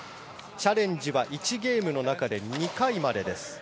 チャレンジは１ゲームの中で２回までです。